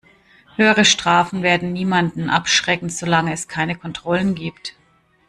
Höhere Strafen werden niemanden abschrecken, solange es keine Kontrollen gibt.